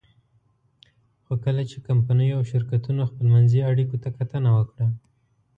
خو کله چې کمپنیو او شرکتونو خپلمنځي اړیکو ته کتنه وکړه.